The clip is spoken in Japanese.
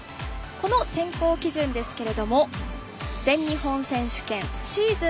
この選考基準ですけれども全日本選手権シーズン